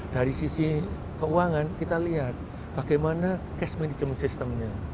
dari sisi keuangan kita lihat bagaimana cash management systemnya